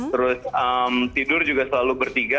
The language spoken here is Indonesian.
terus tidur juga selalu bertiga